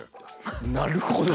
なるほど。